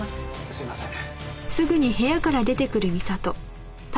すいません。